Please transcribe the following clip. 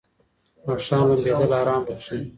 ماښام لمبېدل آرام بخښي.